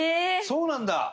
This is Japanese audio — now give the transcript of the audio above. そうなんだ！